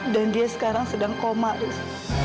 dan dia sekarang sedang koma ras